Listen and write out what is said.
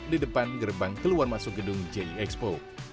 di depan gerbang keluar masuk gedung jie expo